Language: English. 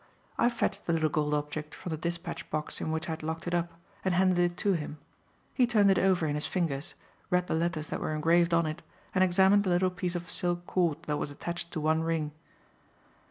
I fetched the little gold object from the dispatch box in which I had locked it up, and handed it to him. He turned it over in his fingers, read the letters that were engraved on it, and examined the little piece of silk cord that was attached to one ring.